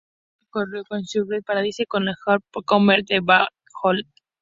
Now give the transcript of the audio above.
Finalmente, corrió en Surfers Paradise con un Holden Commodore de Brad Jones.